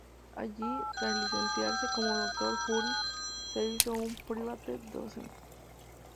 Allí, tras licenciarse como doctor juris, se hizo un "Privat-dozent".